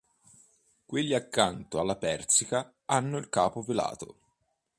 Quelli accanto alla "Persica" hanno il capo velato.